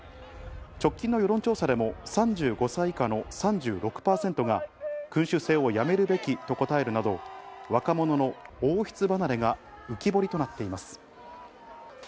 直近の世論調査でも３５歳以下の３６％が君主制をやめるべきと答えるなど、若者の王室離れが浮き彫りとなっています。